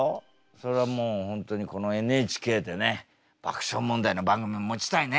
それはもう本当にこのＮＨＫでね爆笑問題の番組持ちたいね！